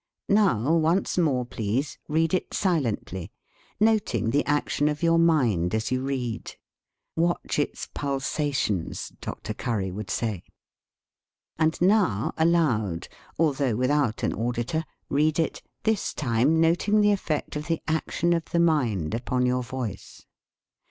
Now, once more, please, read it silently, noting the action of your mind as you read. (" Watch its pul sations," Dr. Curry would say.) And now aloud, although without an auditor, read it, this time noting the effect of the action of the mind upon your voice.